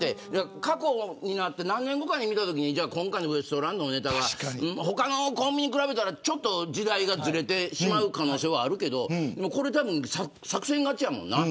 何年後かに見たときに今回のウエストランドのネタは他のコンビに比べたらちょっと時代がずれてしまう可能性はあるけどこれは多分、作戦勝ちやもんな。